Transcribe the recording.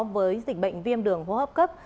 với dịch bệnh viêm đường hô hấp cấp